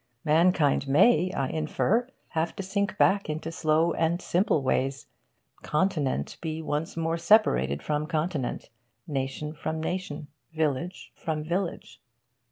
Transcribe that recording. Mankind may, I infer, have to sink back into slow and simple ways, continent be once more separated from continent, nation from nation, village from village.